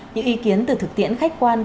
những ý kiến từ thực tiễn khách quan